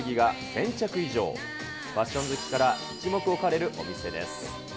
ファッション好きから一目置かれるお店です。